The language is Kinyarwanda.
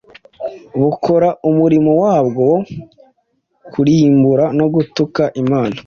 bukora umurimo wabwo wo kurimbura no gutuka Imana.